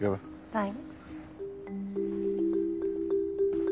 はい。